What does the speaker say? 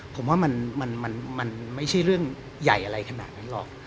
ผมว่ามันไม่ใช่เรื่องใหญ่อะไรขนาดนั้นหรอก